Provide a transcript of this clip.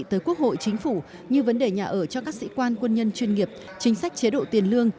tới quốc hội chính phủ như vấn đề nhà ở cho các sĩ quan quân nhân chuyên nghiệp chính sách chế độ tiền lương